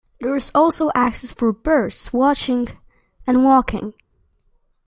There is also access for bird watching and walking.